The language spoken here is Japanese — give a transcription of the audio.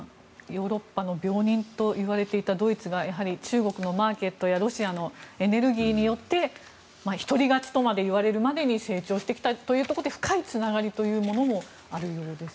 ヨーロッパの病人といわれていたドイツがやはり、中国のマーケットやロシアのエネルギーによって一人勝ちとまで言われるまでに成長してきたということで深いつながりというものもあるようです。